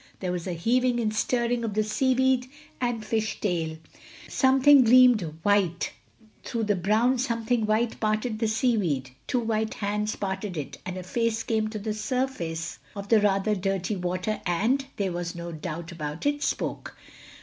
There was a heaving and stirring of the seaweed and fish tail, something gleamed white, through the brown something white parted the seaweed, two white hands parted it, and a face came to the surface of the rather dirty water and—there was no doubt about it—spoke.